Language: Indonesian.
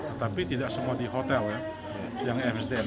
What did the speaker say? tetapi tidak semua di hotel yang msdm